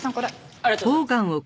ありがとうございます。